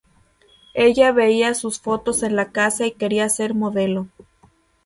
Ella veía sus fotos en la casa y quería ser modelo.